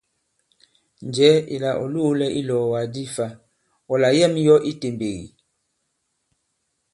Njɛ̀ɛ ìlà ɔ̀ loōlɛ i ilɔ̀ɔ̀wàk di fa, ɔ̀ làyɛ᷇m yɔ i itèmbèk ì?